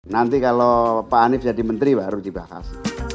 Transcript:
nanti kalau pak hanif jadi menteri baru di bakas